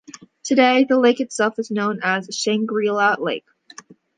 Today, the lake itself is also known as Shangrila Lake.